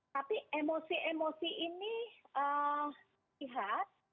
tapi emosi emosi ini terlihat